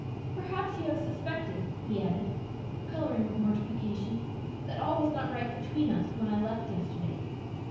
Perhaps you have suspected," he added, coloring with mortification, "that all was not right between us when I left yesterday.